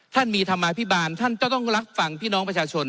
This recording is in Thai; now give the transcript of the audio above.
ท่านมีธรรมาภิบาลท่านก็ต้องรับฟังพี่น้องประชาชน